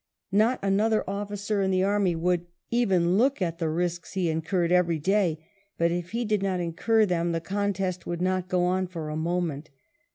Not another officer in the army would " even look at " the risks he incurred every day; but if he did not incur them the contest could not go on for a moment.